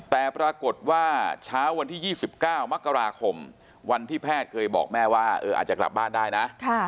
แต่ปรากฏว่าเช้าวันที่๒๙มกราคมวันที่แพทย์เคยบอกแม่ว่าอาจจะกลับบ้านได้นะ